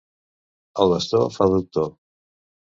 El bastó fa doctor.